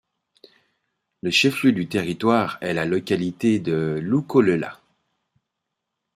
Le chef-lieu du territoire est la localité de Lukolela.